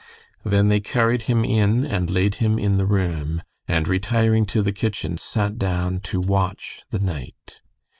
Then they carried him in and laid him in the "room," and retiring to the kitchen, sat down to watch the night.